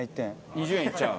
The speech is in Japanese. ２０円いっちゃう？